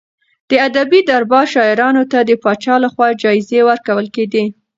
د ادبي دربار شاعرانو ته د پاچا لخوا جايزې ورکول کېدې.